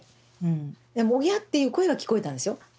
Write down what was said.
でもオギャっていう声は聞こえたんですよ。